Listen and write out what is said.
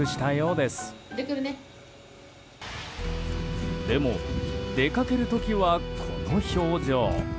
でも、出かける時はこの表情。